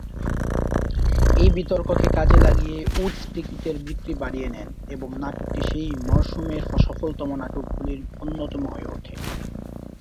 এই বিতর্ককে কাজে লাগিয়ে উডস টিকিটের বিক্রি বাড়িয়ে নেন এবং নাটকটি সেই মরসুমের সফলতম নাটকগুলির অন্যতম হয়ে ওঠে।